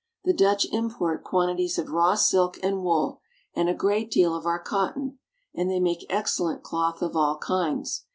The Dutch import quantities of raw silk and wool, and a great deal of our cotton ; and they make excellent cloth of all kinds.